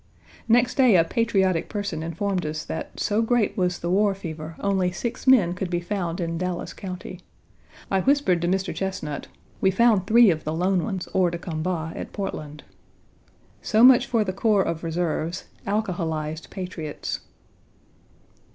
Next day a patriotic person informed us that, so great was the war fever only six men could be found in Dallas County. I whispered to Mr. Chesnut: "We found three of the lone ones hors de combat at Portland." So much for the corps of reserves alcoholized patriots.